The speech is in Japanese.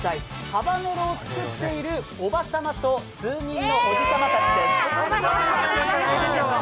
ハバネロを作っているおばさまと数人のおじさまたちです。